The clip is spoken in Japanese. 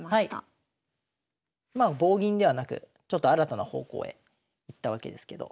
まあ棒銀ではなくちょっと新たな方向へいったわけですけど。